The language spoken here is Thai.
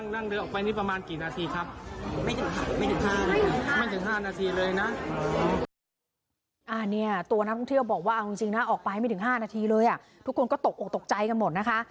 ตัวนักท่องเที่ยวบอกว่าเอาจริงนะออกไปไม่ถึง๕นาทีเลยทุกคนก็ตกออกตกใจกันหมดนะคะ